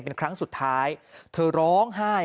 เป็นครั้งสุดท้ายเธอร้องไห้